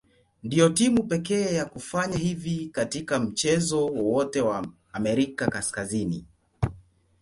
Ndio timu pekee ya kufanya hivi katika mchezo wowote wa Amerika Kaskazini.